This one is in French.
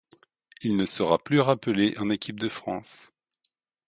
Il ne sera plus rappelé en équipe de France.